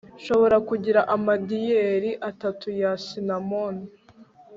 nshobora kugira amadiyeri atatu ya cinnamon